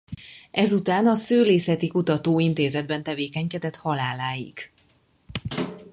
Ezután a Szőlészeti Kutató Intézetben tevékenykedett haláláig.